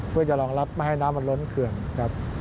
เพื่อจะรองรับไม่ให้น้ำมันล้นเขื่อนครับ